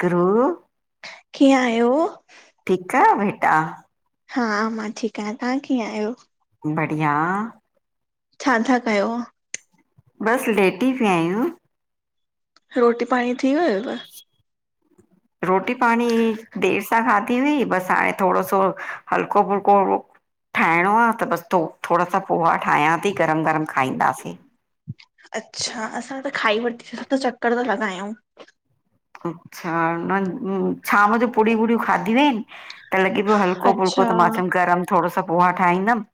ध्रुव कीअं आहियो? ठीकु आ बेटा? हा, मां ठीकु आयां तां कीअं आहियो? बढ़िया। छा था कयो? बसि लेटी पिया आहियूं। रोटी पाणी थी वियव? रोटी पाणी देरि सां खाधी हुई बसि हाणे थोड़ो सो हलको -फुलको ठाहिणो आ त बसि थो -थोड़ा सां पोहा ठाहियां ती गरम गरम खाईंदासीं। अच्छा, असां त खाई वरितीसींसां त चक्कर ता लॻायूं। अच्छा, न छाम जो पुड़ी वुड़ीयूं खाधीयूं इनि। त लॻे पियो हलको फुल्को अच्छा त मां चयमि गरम थोड़ो सो पोहा ठाहींदमि।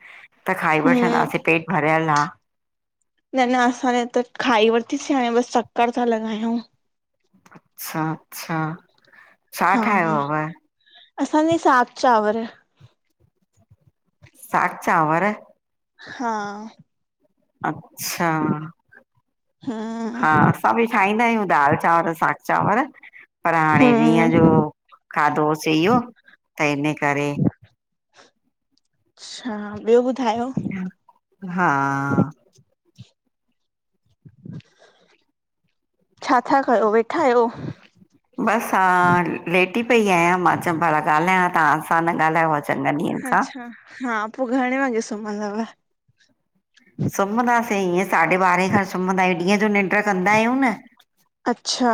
त खाई हम्म, वठंदासीं पेट भरियल आ। न न असां न त खाई वरितीसीं हाणे बसि चक्कर ता लॻायूं। अच्छा- अच्छा। छा हा, ठाहियो हुयव? असांजे साॻ चांवर। साॻ चांवर? हा। अच्छा! हं! हा, असां बि ठाहींदा आहियूं दाल चांवर, साॻ चांवर। पर हाणे हम्म ॾींहं जो खाधोसें इहो त इन करे, अच्छा, ॿियो ॿुधायो? हा! छा था कयो, वेठा आहियो? बसि हा, लेटी पई आहियां, मां चयमि भला ॻाल्हायां, तां आ सां न ॻाल्हायो। चङनि ॾींहंनि खां अच्छा, हा पो घणे वॻे सुमंदव? सुम्हंदासीं ईअं साढे ॿारहें खन सुम्हंदा आहियूं, ॾींहं जो निंड कंदा आहियूं न। अच्छा।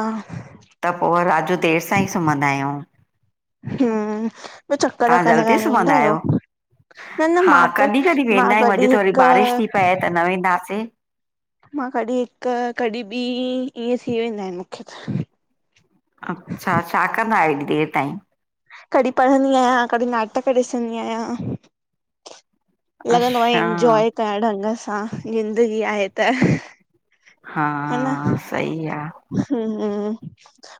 त पो रात जो देरि सां ई सुम्हंदा आहियूं। हम्म- ॿियो चक्कर तव्हां -वक्कर जल्दी लॻाइणु सुम्हंदा वेंदा आहियो? न -न हा मां त कॾहिं कॾहिं मां वेंदा आहियूं अॼु कॾीं त हिक वरी बारिश थी पए त न वेंदासें, मां कॾीं हिक कॾीं ॿीं इअं थी वेंदा आहिनि मूंखे त। अच्छा! छा कंदा आहियो हेॾी देरि ताईं? कॾीं पढ़ंदी आहियां, कॾीं नाटक ॾिसंदी आहियां। लॻंदो आ अच्छा इंजॉय कयां ढंग सां ज़िंदगी आहे त हा ह न सही आ हम्म,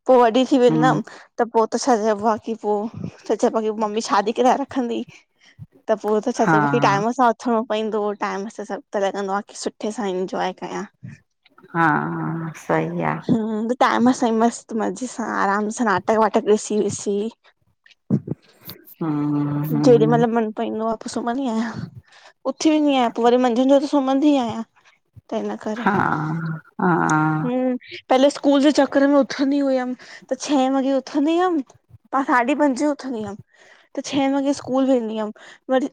पो वॾी थी हम्म वेंदम त पो त छा चइबो आ की पो, छा चइबो आ की मम्मी शादी कराए रखंदी त पो त छा हा चएबो आ किटाइम सां उथिणों पईंदो टाइम सां सभु, त लॻंदो आ की सुठे सां इन्जॉय कयां। हा सही आ हम्म, टाइम सां ई मस्तू मज़े सां आराम सां नाटक वाटक ॾिसी विसी हम्म हम्म जेॾीमल मन पईंदो आ पो सुम्हदी आहियां उथी वेंदी आहियां पो वरी मंझंदि जो त सुम्हंदी ई आहियां त इन्ह करे हा -हा हम्म, पहले स्कूल जे चक्कर में उथंदी हुयमि, त छहे वॻे उथंदी हमि। मां साढी पंजे उथंदी हमि, त छहे वॻे स्कूल वेंदी हमि वरी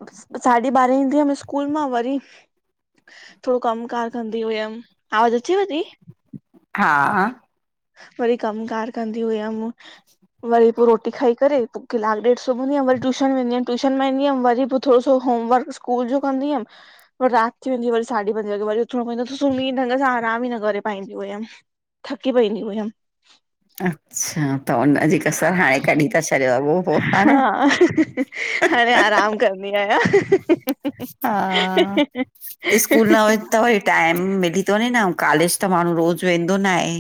साढी ॿारहें ईंदी हमि स्कूल मां वरी थोड़ो कमकार कंदी हुयम, आवाज़ अचेव ती? हा। वरी कम कार कंदी हुयम वरी पो रोटी खाई करे पो किलाकु ॾेढ सुम्हंदी हम वरी टूशन वेंदी हम ट्यूशन मां ईंदीहमि वरी पो थोड़ो सो होमवर्क स्कूल जो कंदी हुअमि पर राति वेंदी, वरी साढी पंजे वॻे वरी उथिणो पईंदो त सुम्ही ढंग सां आराम ई न करे पाईंदी हुयमि। थकी पईंदी हुयम अच्छा त उन्ह जी कसरि हाणें कढी ता छॾियो अॻो पो हा न हाणें आराम कंदी आहियां। हा स्कूल न वि त वरी टाइम मिली तो वंञे न, अंउं कॉलेज त माण्हूं रोज़ु वेंदो ना हे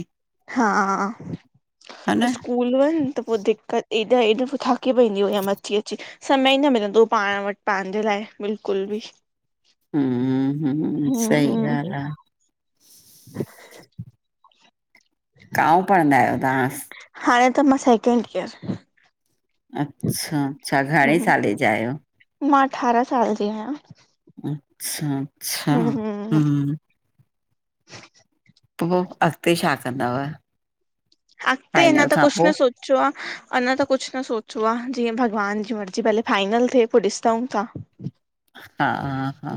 हा---स्कू न स्कूल वंञ त पो दिक्क़त, एॾा एॾो पो थकी पईंदी हुयमि अची -अची समय ई न मिलंदो हो पांण वटि पांजे लाए बिल्कुलु बि हम्म -हम्म, सही ॻाल्हि आ [inaudible] कांओं पढ़ंदा आहियो तहां? हाणें त मां सेकेंड ईयर अच्छा- अच्छा, घणें हम्म साले जा आहियो? मां अठारहां साल जी आहियां। अच्छा- अच्छा, हम्म पो, अॻिते छा कंदव? अगिते, अंञां फाइनल त खां कुछ पो न सोच् च्यो आ अंञा त कुछु न सोचो आ, जीअं भॻवान जी मर्ज़ी पहिले फाइनल थिए पो ॾिसंउं ता। ह [inaudible] हा -हा,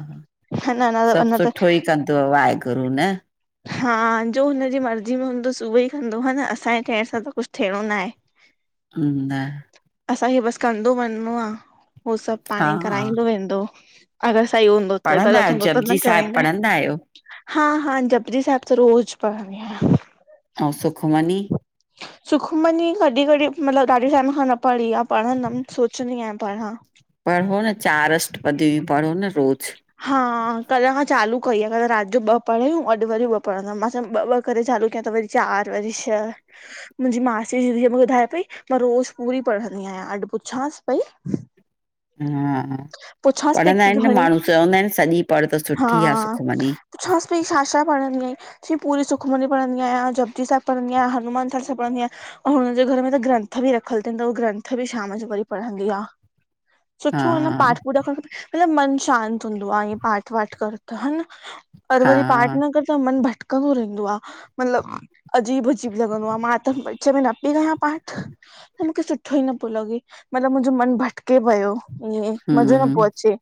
न न सभु अञा त सुठोई कंदुव वाहेगुरु न हा जो हुनजी मर्ज़ी में हूंदुस उहई कंदो ह न, असांजे चये सां त कुछु थियणो ना हे न असांखे बसि कंदो वञिंणो आ, हो सभु हा पाणंई कराईंदो वेंदो। अगरि सही हूंदो त, पढ़ंदा ग़लति आहियो हूंदो त जपजी न साहिब कराईंदा। पढ़ंदा आहियो हा -हा, जपुजी साहिब त रोज़ पढंदी आहियां। अंउ सुखमणी सुखमनी कॾहिं कॾहिं मतिलबु ॾाढे टाइम खां न पढ़ी आहे, पढ़ंदमि सोचंदी आहियां पढां। पढ़ो न, चार अष पदी पढ़ो न रोज़! हा कल खां चालू कई आहे, कल रात जो ॿ पढ़ियूं, अॼु वरी ॿ पढ़ंदम, मां चयो ॿ ॿ करे चालू कयां त वरी चार वरी छह, मुंहिंजी मासी जी धीय मूंखे ॿुधाए पई मां रोज़ पूरी पढ़ंदी आहियां, अॼु पुछांसि पई हा पुछांसि पई पढ़ंदा की आहिनि न घणी माण्हू, चवंदा आहिन सॼी पढ़ त सुठी आ सुखमनी। पुछांस पई छा-छा पढ़ंदी आहीं? चंयीं, पूरी सुखमन पढ़ंदी आयां, जपजी साहिब पढ़ंदी आयां, हनुमान चालीसा पढ़ंदी आयां। हुनजे घर में त ग्रंथ बि रखियल अथन, त उहा ग्रंथ बि शाम जो वरी पढ़ंदी आ। हा सुठो आ न पाठ पूठ करणु खपे मतलबु मन शांत हूंदो आ ईअं पाठ- वाठ कर त, ह न! और हा वरी पाठ न कर त मन भटकंदो रहंदो आ। मतलब अजीब अजीब लॻंदो आ, मां त विच में न पई कयां पाठ। त मूंखे सुठो ई न पियो लॻे, मतलबु मुंहिंजो मनु भटके पयो। इ मज़ो न हम्म प्यो अचे।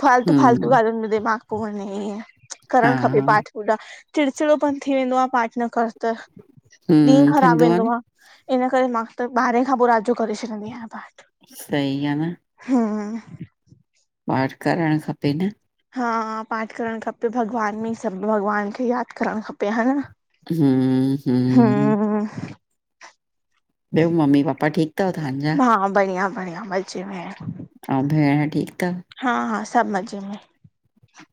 फालतू फालतू हम्म ॻालुनि में दिमाग पयो वंञे, ई हा करणु खपे पाठ। ॾा चिड़चिड़ोपन थी वेंदो आ पाठ न कर त हम्म ॾींहुं ख़राबु थींदो आहे न वेंदो आ। इन करे मां त ॿारहें खां पोइ रात जो करे छॾींदी आहियां पाठ। सही आ न। हम्म पाठ करणु खपे न। हा पाठ करणु खपे, भॻवान में सभु भॻवान खे यादि करणु खपे, हा न। हम्म ॿियो मम्मी पापा ठीकु अथव तव्हांजा हा बढ़िया- बढ़िया, मजे में। ऐं भेण ठीकु थव? हा हा सभु मज़े में।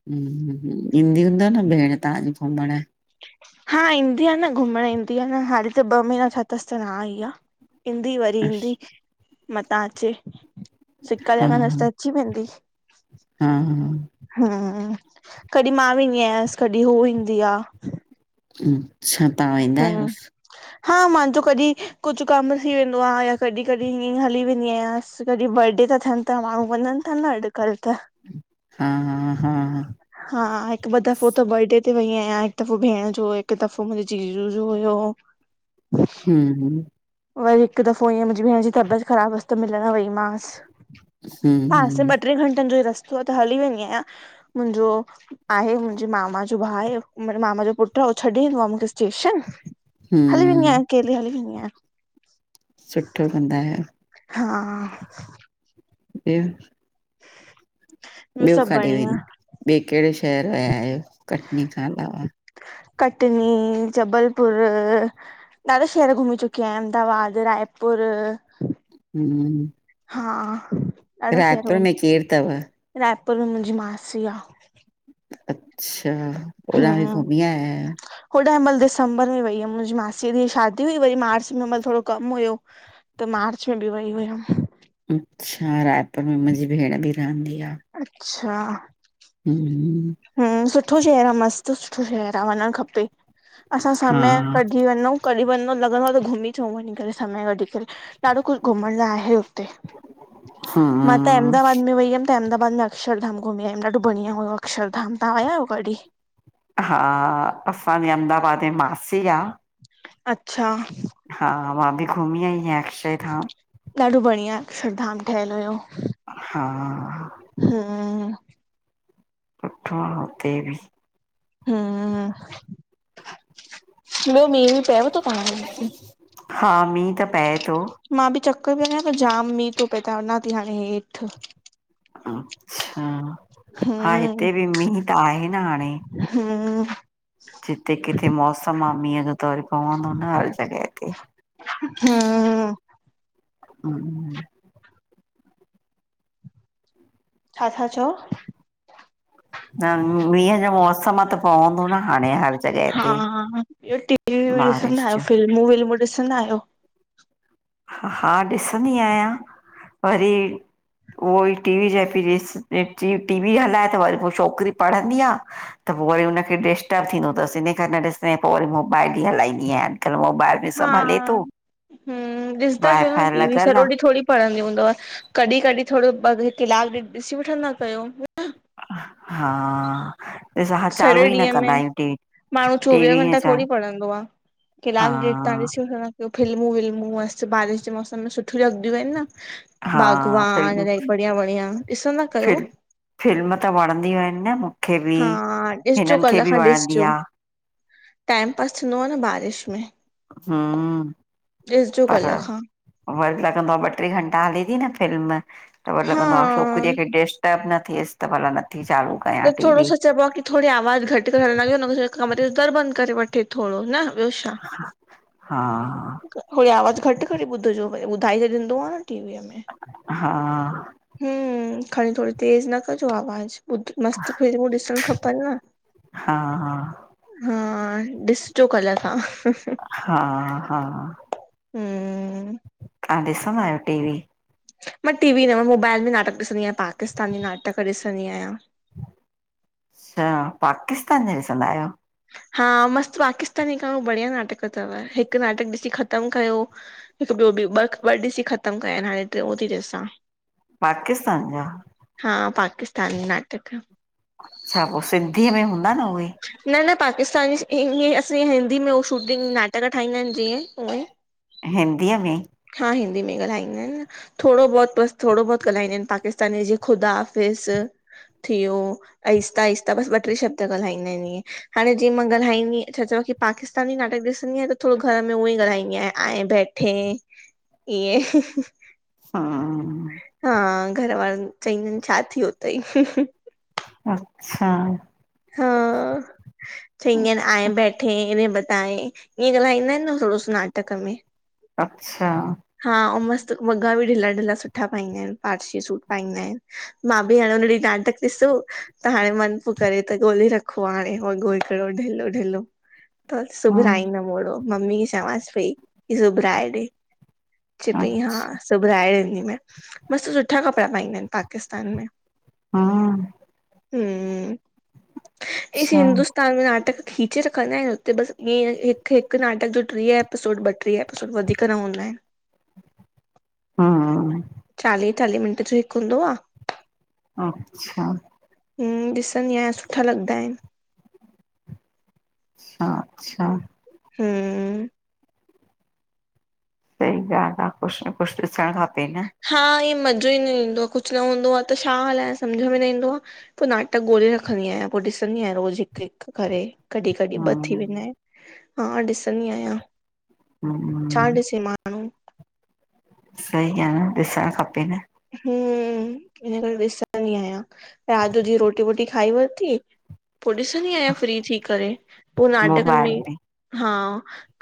ह ह हूं ईंदी हूंदव न भेण तव्हांजी घुमण? हा ईंदी आ न घुमण ईंदी आ न, हाणे त ॿ महीना थिया अथसि त न इंदी आ। ईंदी वरी ईंदी, मथां अचे! सिक्क हा लगंदस न त अची वेंदी। हा, हा कॾहिं मां वेंदी आयसि, कॾहिं हू ईंदी आ। छा तां वेंदा आहियोस! हा मंहांजो कॾहिं कुझु कम थी वेंदो आ या कॾहिं कॾहिं हीअं हली वेंदी आहियांस। बस कॾहिं बर्डे था थियनि त माण्हु वञंनि था न अॼकल त। हा हा हा हा हा हिकु ॿ दफ़ो त बर्डे ते वई आहियां, हिकु दफ़ो भेण जो हुयो, हिकु दफ़ो मुंहिंजे जीजू जो हुयो। [inaudible] हम्म हम वरी हिक दफ़ो ईअं मुंजी भेण जी तबियत ख़राबु हुअस त मिलण वई मांस। पासे हम्म ॿ टे घंटनि जो ई रस्तो आ त हली वेंदी आहियां, मुंहिंजो। आहे मुंहिंजे मामा जो भाउ आहेे मामा जो पुटु छॾे ईंदो आहे मूंखे स्टेशन हलि वेंदी आया, हम्म अकेली हली वेंदी आंया। सुठो कंदा आयो। हा [inaudible] ॿियो सभु काॾे बढ़िया वेंदी, ॿिए कहिड़े शहरु वया आहियो कटनी खां अलावा कटनी जबलपुर ॾाढा शहर घुमी चुकी आहिया अहमदाबाद रायपुर हम हा ॾाढा शहर घुमी, में केरु अथव अच्छा रायपुर में मुंहिंजी मासी आ। अच्छा, ओॾां बि हम्म घुमी आयायो होॾां हिमहिल दिसंबर में वई हुमि मुंहिंजी मासीअ जी शादी हुई वरी मार्च में थोरो कमु हुयो त मार्च में बि वई हुअमि। अच्छा, रायपुर में मुंहिंजी भेण बि रहंदी आ। अच्छा हम हम सुठो शहरु आहे मस्तु सुठो शहर आहे वञणु खपे असां समय हा कढी वञू कॾहिं वन न त लॻंदो आ त घुमी अचऊं वञी करे समय कढी करे ॾाढो कुझु घुमण लाइ आहे हुते, मां त हा अहमदाबाद में वई हुयमि त अहमदाबाद में अक्षरधाम घुमी आयम ॾाढो बडिया हुयो अक्षरधाम तहाँ आया आहियो कॾी? हा, असांजी अहमदाबाद जी मासी आ अच्छा हा मां बि घुमी आई आहियां अक्षय धाम ॾाढो बढ़िया अकशरधाम ठहियलु हुयो। हा हा सुठोआ हुते बि हम, ॿियो मी वी पयेव तो तहाँजे हिते? हा मींहुं त पए थो मां बि चकर पई ॾिया त जाम मींहुं थो पए त वञा थी हाणे हेठि अच्छा, हा हिते बि मींहुं त आहे न हाणे हमम जिते किथे मौसमु आ मींहं जो त वरी पवंदो न हर जॻह ते हमम हमम छा था चओ? न मींहं जो मौसम त पवंदो न हाणे हर जॻह हा ते हा, ॿियो टी वी वी ॾिसंदा बारिश आहियो? जो फिल्मूं विल्मूं ॾिसंदा आहियो? हा ॾिसंदी आहियां वरी उहो ई टीवी चए पई टी वी हलाए त वरी पो छोकिरी पढ़ंदी आ त पो वरी हुन खे डिस्टर्ब थींदो अथसि इन करे न ॾिसंदी पो वरी मोबाइल ई हलाईंदी आहियां अॼुकल्ह मोबाइल में हा सभु हले थो हम, ॾिसंदा वाए कयो न फाए टी वी लॻल सॼो आ ॾीह थोरी पढ़ंदी हूंदव, कॾहिं कॾहिं थोरो कलाक डेढ ॾिसी वठंदा कयो हा ॾिस हा सॼे चालू ई न ॾींहं कंदा में, आहियूं टी माण्हू चोवीह टीवी ईअं घंटा थोरी चालू पढ़ंदो आ। हा किलाक ॾेढ तहाँ ॾिसी वठंदा फिल्मूं विल्मूं मस्तु बारिश जे मौसम में सुठियूं लॻंदियूं आहिनि न हा बागवान, फिल्म इलाही बढ़िया बढ़िया ॾिसंदा कयो। फिल्म फिल्म त वणंदियूं आहिनि न मूंखे बि हा, ॾिसजो हिननि खे कल्ह बि खां वणंदी ॾिसजो। आ टाइम पास थींदो आहे न बारिश में हम्म ॾिसजो पर कल्ह खां वरी लॻंदो आहे ॿ टे घंटा हले थी न फिल्म त वरी लॻंदो आहे हा छोकिरीअ खे टेस्ट ब न स त भला न चालू [unintelligible] थोरो टीवी सो चवबो आ कि थोरी आवाज घटि करे हलण लॻियो न कमरे जो दर बंदि करे वठे थोरो न ॿियो छा हा हा थोरी आवाज घटि करे ॿुधजो भ ई ॿुधाइ त ॾींदो आहे न टीवीअ में हा हम खणी थोरी तेज न कजो आवाज ॿुध मस्त फिल्मूं ॾिसण खपनि न हा हा ॾिसजो कल्ह तव्हां हा हा हम्म। तव्हां ॾिसंदा आहियो टीवी मां टी वी न मां मोबाइल में नाटक ॾिसंदी आहियां पाकिस्तानी नाटक ॾिसंदी आहियां अच्छा पाकिस्तानी ॾिसंदा आहियो हा मस्तु पाकिस्तानी खयो बढ़िया नाटक अथव हिकु नाटक ॾिसी ख़तमु कयो हिकु ॿियो बि ॿ ॿ ॾिसी ख़तम कया आहिन हाणे टियो थी ॾिसां पाकिस्तान जा हा पाकिस्तानी नाटक अच्छा पोइ सिंधीअ में हूंदा न उहे न न पाकिस्तानी ईअं असां हिंदी में उ शूटिंग नाटक ठाहींदा आहिन जीअं उअं हिंदीअ में हा हिंदी में ॻाल्हाईंदा आहिन थोरो बहुोत बसि थोरो बहुत ॻाल्हाईंदा आहिन पाकिस्तानी जीअ ख़ुदाफ़िस थियो आहिस्ता आहिस्ता बसि ॿ टे शब्द ॻाल्हाईंदा आहिन इएंं हाणे जीअं मां ॻाल्हाईंदी छा चयो पाकिस्तानी नाटक ॾिसंदी आहियां त थोरो घर में उअ ई ॻाल्हाईंदी आहियां ऐं बैट [unintelligible] हे इये हा हा घर वारनि चवंदानि छा थियो अथई अच्छा हा चई आए बैठे इ बताए ईअं ॻाल्हाईंदा आहिन न थोरो स नाटक में अच्छा हा ऐं मस्तु वॻा बि ढिला ढिला सुठा पाईंदा आहिन पारसी सूट पाईंदा आहिन मां बि हाणे हुन ॾींहुं नाटक ॾिसो त हाणे मन पो करे त ॻोल्हे रखो आं हाणे हलो ढिल्लो ढिल्लो त हम्म सिबराइंदम ओहड़ो मम्मी खे चवस पई की सुबराएॾे चितई हा अच्छा सिबराहे ॾींदी माइ मस्तु सुठा कपिड़ा पाईंदा आहिन पाकिस्तान में हा हम इस अच्छा हिंदुस्तान में नाटक खीचे रखंदा आहिनि हुत बसि ईअ हिकु हिकु नाटक अ जो टीह एपिसोड ॿटीह एपिसोड वधीक न हूंदा आहिन हा टीह चालीह मिंट जो हिकु हूंदो आहे अच्छा ॾिसंदी आहियां सुठा लॻंदा आहिन अच्छा अच्छा हम्म सही ॻाल्ह आ कुछ न कुछ ॾिसण खपे न। हा ईअ मज़ो ई न ईंदो आ कुछ न हूंदो आ त छा हलाए सम्झ में न ईंदो आ। पो नाटक ॻोल्हे रखंदी आयां पो ॾिसंदी आयां रोज़ हिक-हिक करे। कॾहिं-कॾहिं ॿ थी हम्म, वेंदा आहिन, हा ॾिसंदी आहियां छा हम्म ॾिसी मां सही आ न ॾिसण खपे न। हम हिन करे ॾिसंदी आयां रात जी रोटी वोटी खाई वरती। पो ॾिसंदी आयां फ्री थी करे पो नाटकन में इ हा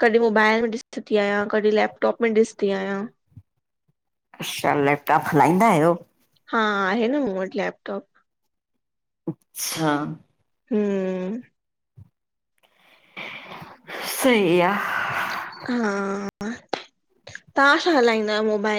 कॾहिं मोबाइल में ॾिसंदी आयां कॾहिं लैपटॉप में ॾिसंदी आहियां। अच्छा लैपटॉप हलाईंदा आहियो? हा आहे न मूं वट लैपटॉप। अच्छा। हम। सई आ। हा तव्हां छा हलाईंदा आयो मोबाइल